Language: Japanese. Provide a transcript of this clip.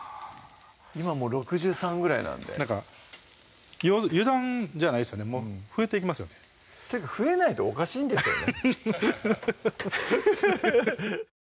今もう６３ぐらいなんで油断じゃないですよねもう増えていきますよねってか増えないとおかしいんですよね